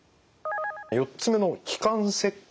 ４つ目の気管切開。